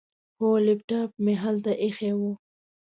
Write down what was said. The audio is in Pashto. هو، لیپټاپ مې هلته ایښی و.